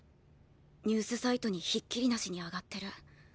ニュースサイトにひっきりなしに上がってる。